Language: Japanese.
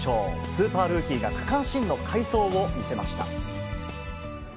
スーパールーキーが区間新の快走を見せました。